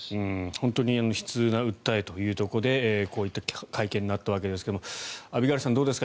本当に悲痛な訴えというところでこういう会見があったわけですがアビガイルさん、どうですか？